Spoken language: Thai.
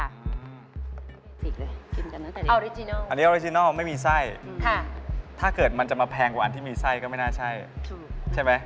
อันนี้ออริจินัลไม่มีไส้ค่ะถ้าเกิดมันจะมาแพงกว่าอันที่มีไส้ก็ไม่น่าใช่ใช่ไหม